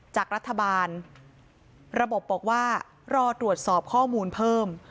จากรัฐบาลระบบบอกว่ารอตรวจสอบข้อมูลเพิ่ม